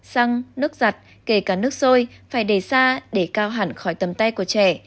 xăng nước giặt kể cả nước sôi phải đẩy ra để cao hẳn khỏi tầm tay của trẻ